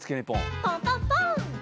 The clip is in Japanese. ポンポンポーン！